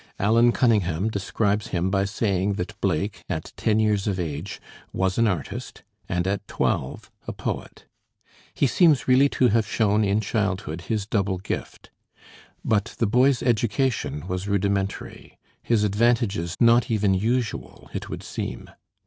Allan Cunningham describes him by saying that Blake at ten years of age was an artist and at twelve a poet. He seems really to have shown in childhood his double gift. But the boy's education was rudimentary, his advantages not even usual, it would seem.